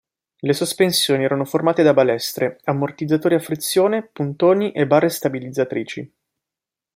Le sospensioni erano formate da balestre, ammortizzatori a frizione, puntoni e barre stabilizzatrici.